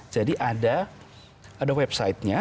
jadi ada websitenya